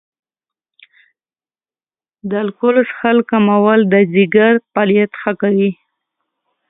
د الکول څښل کمول د جګر فعالیت ښه کوي.